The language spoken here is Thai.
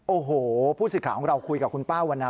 โอ้โหผู้สื่อข่าวของเราคุยกับคุณป้าวันนา